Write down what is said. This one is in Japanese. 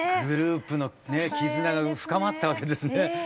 グループの絆が深まったわけですね。